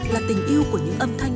là tình yêu của những âm thanh